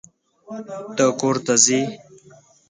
ته کورته ځې؟